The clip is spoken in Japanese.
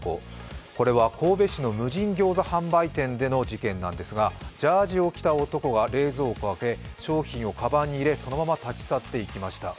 これは神戸市の無人餃子販売店での事件なんですが、ジャージーを着た男が冷蔵庫を開け、商品をかばんに入れそのまま立ち去っていきました。